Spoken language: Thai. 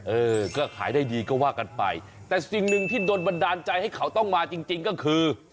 เออก็ขายได้ดีก็ว่ากันไปแต่สิ่งหนึ่งที่โดนบันดาลใจให้เขาต้องมาจริงจริงก็คือ